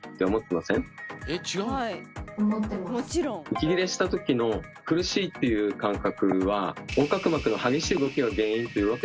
息切れしたときの「苦しい」っていう感覚は横隔膜の激しい動きが原因というわけではないんです。